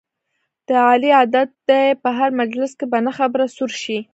د علي عادت دی په هر مجلس کې په نه خبره سور شي.